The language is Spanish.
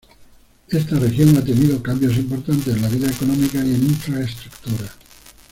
Esta región ha tenido cambios importantes en la vida económica y en infraestructura.